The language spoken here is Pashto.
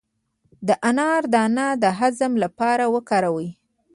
د انار دانه د هضم لپاره وکاروئ